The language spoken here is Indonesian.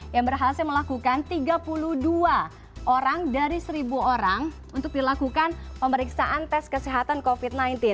yang berhasil melakukan tiga puluh dua orang dari seribu orang untuk dilakukan pemeriksaan tes kesehatan covid sembilan belas